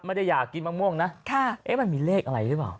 ไม่ได้อยากกินมะม่วงนะค่ะเอ๊ะมันมีเลขอะไรหรือเปล่า